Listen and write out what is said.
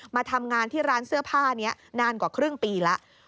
มาทำงานที่ร้านเสื้อผ้านี้นานกว่าครึ่งปีแล้ว